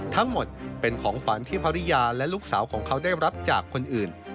ทั้งหมดเป็นของขวัญที่ภรรยาและลูกสาวของเขาได้รับจากคนอื่น